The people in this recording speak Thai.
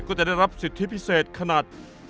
จะได้รับสิทธิพิเศษขนาด